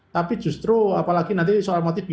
tapi justru apalagi di bintara prosek ini harusnya diperbaiki